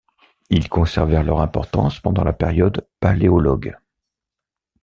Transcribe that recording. Ils conservèrent leur importance pendant la période Paléologue.